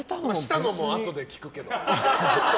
したのも、あとで聞くけど。